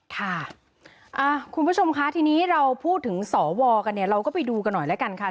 ค่ะคุณผู้ชมคะทีนี้เราพูดถึงสวกันเนี่ยเราก็ไปดูกันหน่อยแล้วกันค่ะ